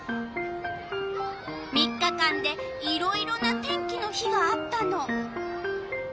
３日間でいろいろな天気の日があったの。